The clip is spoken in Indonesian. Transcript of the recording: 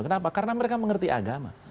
kenapa karena mereka mengerti agama